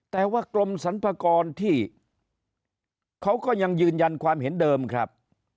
แต่ว่ากรมสรรพากรที่เขาก็ยังยืนยันความเห็นเดิมครับ